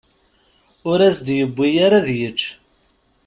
Ur as-d-yewwi ara ad yečč.